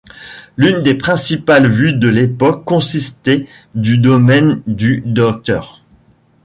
L'une des principales vues de l'époque consistait du domaine du Dr.